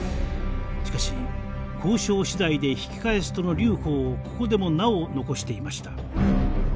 しかし交渉しだいで引き返すとの留保をここでもなお残していました。